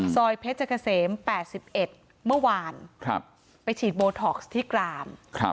ซอยเพชรเกษม๘๑เมื่อวานไปฉีดโบท็อกซ์ที่กราม